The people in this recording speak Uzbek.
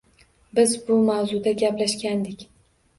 Biz bu mavzuda gaplashgandik.